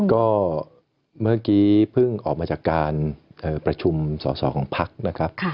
ก็เมื่อกี้เพิ่งออกมาจากการประชุมสอสอของพักนะครับ